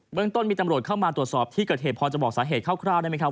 เมืองต้นมีตำรวจเข้ามาตรวจสอบที่เกิดเหตุพอจะบอกสาเหตุคร่าวได้ไหมครับ